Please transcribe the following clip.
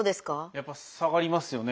やっぱ下がりますよね